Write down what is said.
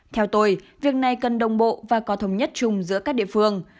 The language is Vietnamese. theo tôi việc này cần đồng bộ và có thống nhất chung giữa các địa phương